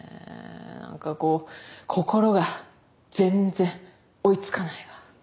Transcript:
何かこう心が全然追いつかないわ。